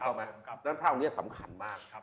เพราะฉะนั้นพระองค์นี้สำคัญมาก